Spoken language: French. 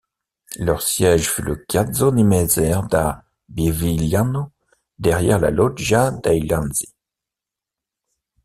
Leur siège fut le Chiasso di Messer da Bivigliano, derrière la Loggia dei Lanzi.